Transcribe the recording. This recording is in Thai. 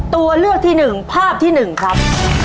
ตัวเลือกที่หนึ่งภาพที่หนึ่งครับ